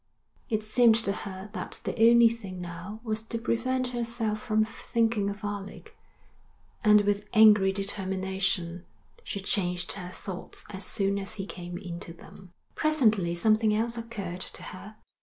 It seemed to her that the only thing now was to prevent herself from thinking of Alec, and with angry determination she changed her thoughts as soon as he came into them. Presently something else occurred to her.